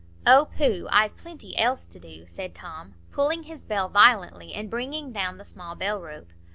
"Oh, pooh! I've plenty else to do," said Tom, pulling his bell violently, and bringing down the small bell rope.